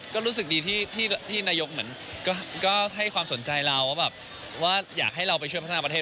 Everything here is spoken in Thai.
ก็รู้สึกดีที่นายกเหมือนก็ให้ความสนใจเราว่าแบบว่าอยากให้เราไปช่วยพัฒนาประเทศ